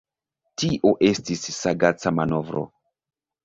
Tio estis sagaca manovro.